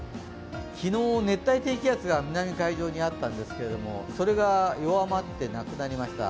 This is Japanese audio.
昨日、熱帯低気圧が南海上にあったんですけれども、それが弱まってなくなりました、